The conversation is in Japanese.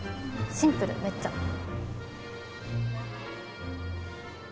シンプルめっちゃ。